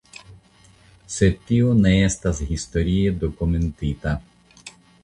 Sed tio ne estas historie dokumentita.